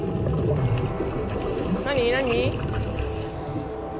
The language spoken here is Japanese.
「何？何？」